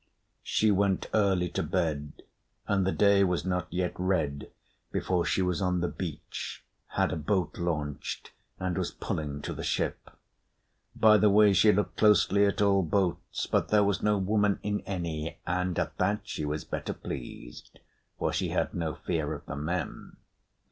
She went early to bed; and the day was not yet red before she was on the beach, had a boat launched, and was pulling to the ship. By the way she looked closely at all boats, but there was no woman in any; and at that she was better pleased, for she had no fear of the men.